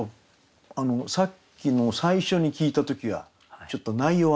さっきの最初に聞いた時はちょっと内容分かんなかった。